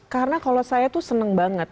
karena kalau saya tuh senang banget